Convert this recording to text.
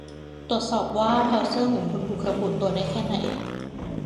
ตรวจสอบว่า เบราว์เซอร์ของคุณ ถูกระบุตัวได้แค่ไหน